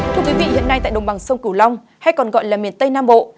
thưa quý vị hiện nay tại đồng bằng sông cửu long hay còn gọi là miền tây nam bộ